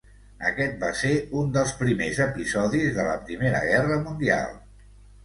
Aquest va ser un dels primers episodis de la Primera Guerra Mundial.